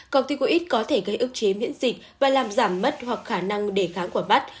corticoid có thể gây ức chế miễn dịch và làm giảm mất hoặc khả năng đề kháng của mắt